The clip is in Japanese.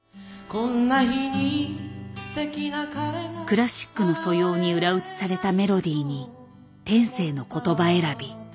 クラシックの素養に裏打ちされたメロディーに天性の言葉選び。